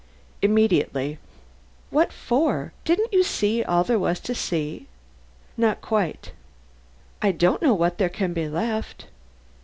"Immediately." "What for? Didn't you see all there was to see?" "Not quite." "I don't know what there can be left."